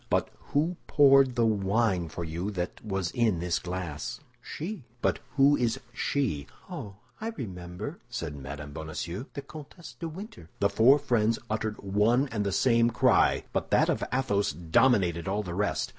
"But who poured the wine for you that was in this glass?" "She." "But who is she?" "Oh, I remember!" said Mme. Bonacieux, "the Comtesse de Winter." The four friends uttered one and the same cry, but that of Athos dominated all the rest.